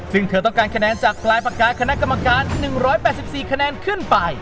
ซึ่งเธอต้องการคะแนนจากปลายปากกาคณะกรรมการ๑๘๔คะแนนขึ้นไป